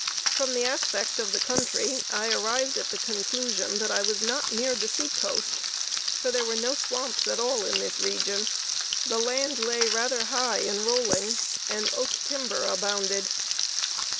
From the aspect of the country I arrived at the conclusion, that I was not near the sea coast; for there were no swamps in all this region; the land lay rather high and rolling, and oak timber abounded.